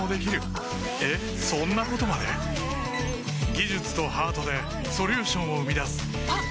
技術とハートでソリューションを生み出すあっ！